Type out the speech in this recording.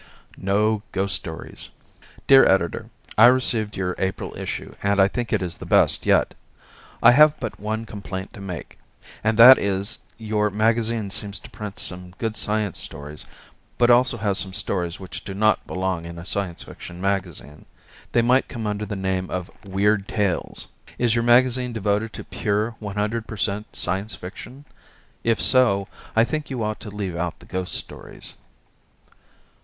No Ghost Stories Dear Editor: I received your April issue and I think it is the best yet. I have but one complaint to make, and that is your magazine seems to print some good science stories, but also has some stories which do not belong in a Science Fiction magazine. They might come under the name of weird tales. Is your magazine devoted to pure 100 per cent. Science Fiction? If so, I think you ought to leave out the ghost stories.